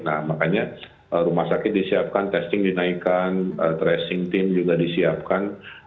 nah makanya rumah sakit disiapkan testing dinaikkan tracing team juga disiapkan